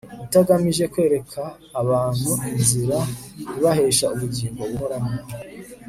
utagamije kwereka abantu inzira ibahesha ubugingo buhoraho